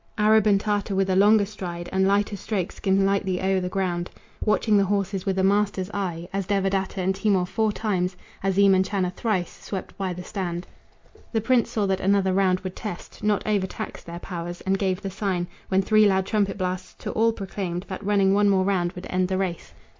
Arab and Tartar with a longer stride And lighter stroke skim lightly o'er the ground. Watching the horses with a master's eye, As Devadatta and Timour four times, Azim and Channa thrice, swept by the stand, The prince saw that another round would test, Not overtax, their powers, and gave the sign, When three loud trumpet blasts to all proclaimed That running one more round would end the race.